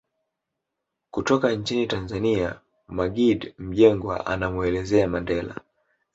Kutoka nchini Tanzania Maggid Mjengwa anamuelezea Mandela